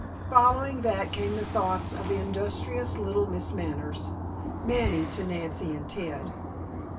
Following that came the thoughts of industrious little Miss Manners Manny to Nancy and Ted.